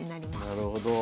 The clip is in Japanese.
なるほど。